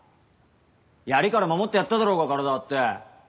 槍から守ってやっただろうが体張って。